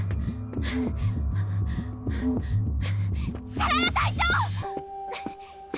シャララ隊長！